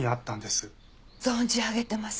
存じ上げてます。